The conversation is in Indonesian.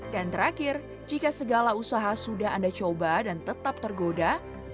dan terakhir jika segala usaha sudah anda coba dan tetap tergoda